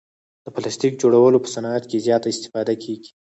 د پلاستیک جوړولو په صعنت کې زیاته استفاده کیږي.